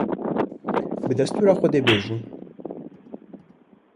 bi destûra Xwedê bibêjim